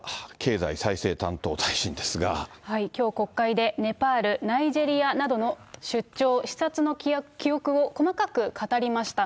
きょう、国会でネパール、ナイジェリアなどの出張、視察の記憶を細かく語りました。